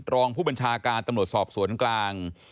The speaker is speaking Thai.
รองผู้บัญชาการตำรวจสอบสวนกลาง